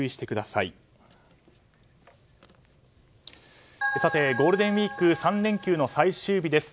さて、ゴールデンウィーク３連休の最終日です。